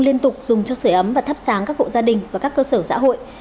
liên tục dùng cho sửa ấm và thắp sáng các hộ gia đình và các cơ sở xã hội